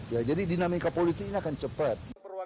ya jadi dinamika politiknya akan cepat